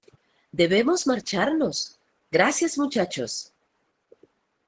¡ Debemos marchamos! ¡ gracias, muchachos !